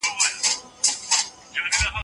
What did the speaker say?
د ښار بېګلربېګي له وېرې اصفهان ته وتښتېد.